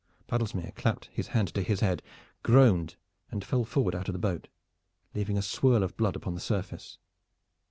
Baddlesmere clapped his hand to his head, groaned and fell forward out of the boat, leaving a swirl of blood upon the surface.